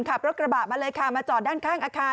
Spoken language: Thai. ขับรถกระบะมาเลยค่ะมาจอดด้านข้างอาคาร